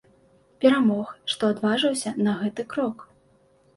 Перамог, што адважыўся на гэты крок.